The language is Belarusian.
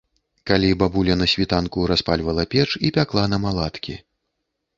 Калі бабуля на світанку распальвала печ і пякла нам аладкі.